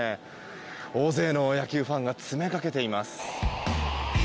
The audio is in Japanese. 大勢の野球ファンが詰めかけています。